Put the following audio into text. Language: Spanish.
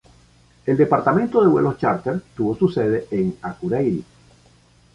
El departamento de vuelos chárter tuvo su sede en Akureyri.